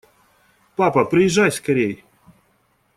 Папа, приезжай скорей!